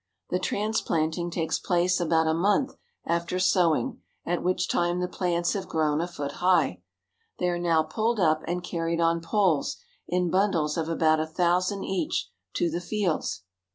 The transplanting takes place about a month after sowing, at which time the plants have grown a foot high. They are now pulled up and 228 INDUSTRIAL BURMA. RICE carried on poles, in bundles of about a thousand each, to the fields.